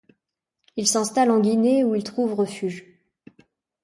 Il s'installent en Guinée où ils trouvent refuge.